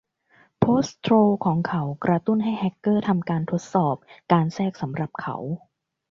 โพสต์โทรลล์ของเขากระตุ้นให้แฮกเกอร์ทำการทดสอบการแทรกสำหรับเขา